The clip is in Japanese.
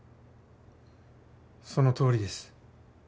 そのとおりです。